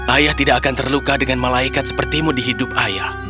ayah tidak akan terluka dengan malaikat sepertimu di hidup ayah